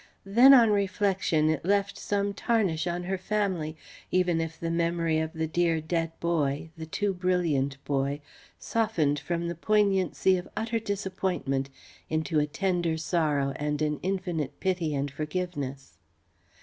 Then on reflection it left some tarnish on her family, even if the memory of the dear dead boy, the too brilliant boy, softened from the poignancy of utter disappointment into a tender sorrow and an infinite pity and forgiveness.